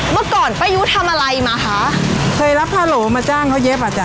เมื่อก่อนป้ายุทำอะไรมาคะเคยรับฮาโหลมาจ้างเขาเย็บอ่ะจ้